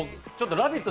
「ラヴィット！」